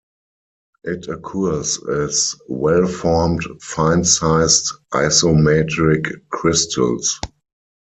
It occurs as well-formed fine sized isometric crystals.